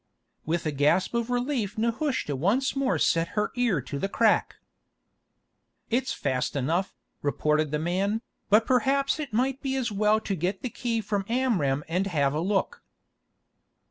With a gasp of relief Nehushta once more set her ear to the crack. "It's fast enough," reported the man, "but perhaps it might be as well to get the key from Amram and have a look."